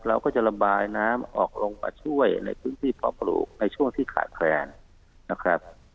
เราก็จะระบายน้ำออกลงมาช่วยในพื้นที่เพาะปลูกในช่วงที่ขาดแคลนนะครับ